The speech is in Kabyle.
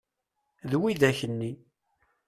D widak-nni.